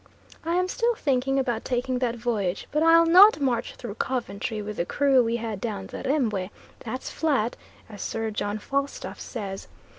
I am still thinking about taking that voyage, but I'll not march through Coventry with the crew we had down the Rembwe that's flat, as Sir John Falstaff says.